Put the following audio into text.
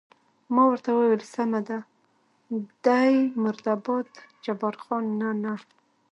ما ورته وویل: سمه ده، دی مرده باد، جبار خان: نه، نه.